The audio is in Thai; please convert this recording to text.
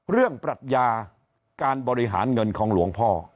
ปรัชญาการบริหารเงินของหลวงพ่อ